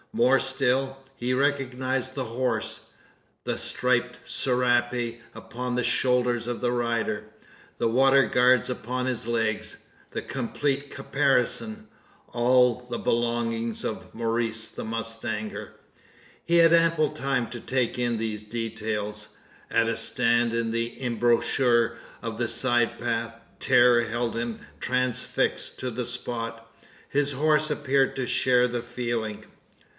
More still he recognised the horse the striped serape upon the shoulders of the rider the water guards upon his legs the complete caparison all the belongings of Maurice the mustanger! He had ample time to take in these details. At a stand in the embouchure of the side path, terror held him transfixed to the spot. His horse appeared to share the feeling.